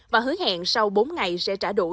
và hứa hẹn sau bốn ngày sẽ trả đủ số tiền